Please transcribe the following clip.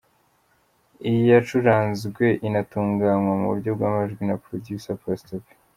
Iyi yacuranzwe inatunganywa mu buryo bw’amajwi na producer Pastor P.